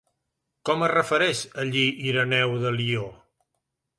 Com es refereix a Lli Ireneu de Lió?